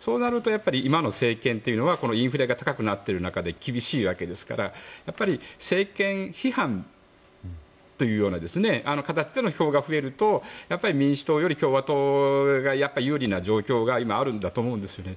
そうなるとやっぱり今の政権というのはインフレが高くなっている中で厳しいわけですから政権批判というような形での票が増えると民主党より共和党がやっぱり有利な状況が今あるんだと思うんですね。